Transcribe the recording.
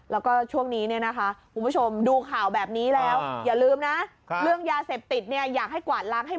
แล้วก็ช่วงนี้นะคะคุณผู้ชมดูข่าวแบบนี้แล้ว